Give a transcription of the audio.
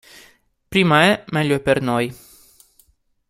Prima è, meglio è per noi.